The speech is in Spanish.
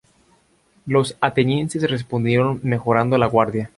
Los atenienses respondieron mejorando la guardia.